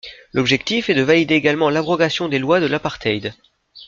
L'objectif est de valider également l'abrogation des lois de l'apartheid.